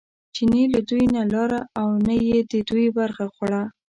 چیني له دوی نه لاره نه او نه یې د دوی برخه خوړه.